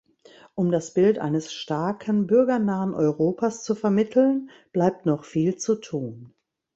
Um das Bild eines starken, bürgernahen Europas zu vermitteln, bleibt noch viel zu tun.